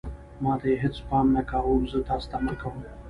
ما ته یې هېڅ پام نه کاوه، زه تاسې ته امر کوم.